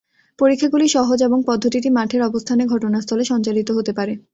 পরীক্ষাগুলি সহজ এবং পদ্ধতিটি মাঠের অবস্থানে ঘটনাস্থলে সঞ্চালিত হতে পারে।